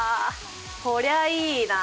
こりゃあいいな。